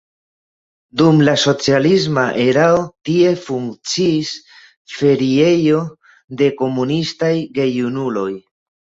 Dum la socialisma erao tie funkciis feriejo de "komunistaj" gejunuloj.